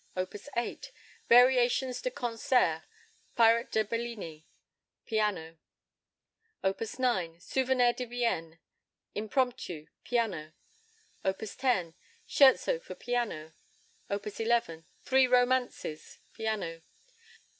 Op. 8, Variations de Concert (Pirate de Bellini), piano. Op. 9, Souvenir de Vienne, Impromptu, piano. Op. 10, Scherzo for piano. Op. 11, Three Romances, piano.